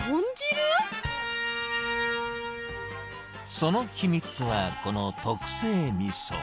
その秘密は、この特製みそ。